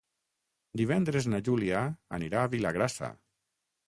Divendres na Júlia anirà a Vilagrassa.